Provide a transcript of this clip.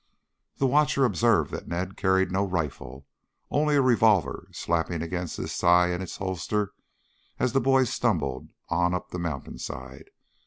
The watcher observed that Ned carried no rifle, only a revolver slapping against his thigh in its holster as the boy stumbled on up the mountain side.